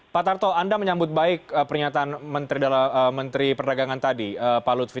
pak tarto anda menyambut baik pernyataan menteri perdagangan tadi pak lutfi